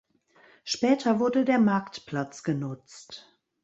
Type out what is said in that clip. Später wurde der Marktplatz genutzt.